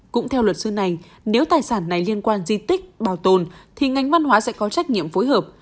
cũng theo luật sư này nếu tài sản này liên quan di tích bảo tồn thì ngành văn hóa sẽ có trách nhiệm phối hợp